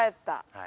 はい。